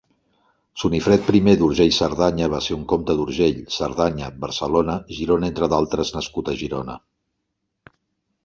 Sunifred primer d'Urgell-Cerdanya va ser un comte d'Urgell, Cerdanya, Barcelona, Girona entre d'altres nascut a Girona.